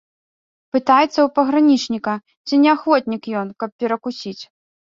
Пытаецца ў пагранічніка, ці не ахвотнік ён, каб перакусіць.